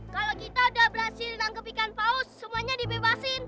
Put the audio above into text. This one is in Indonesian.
kalau kita udah berhasil tangkep ikan paus semuanya dibebasin